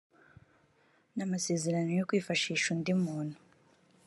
n amasezerano yo kwifashisha undi muntu